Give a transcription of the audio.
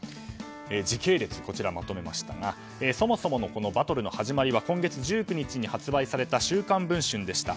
時系列でまとめましたがそもそものバトルの始まりは今月１９日に発売された「週刊文春」でした。